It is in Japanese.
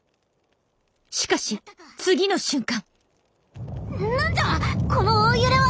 しかし次の瞬間。